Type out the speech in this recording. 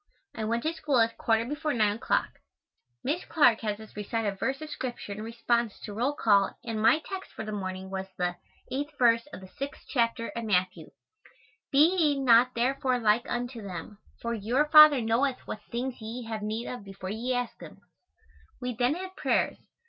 I went to school at quarter before 9 o'clock. Miss Clark has us recite a verse of scripture in response to roll call and my text for the morning was the 8th verse of the 6th chapter of Matthew, "Be ye not therefore like unto them; for your Father knoweth what things ye have need of before ye ask him." We then had prayers.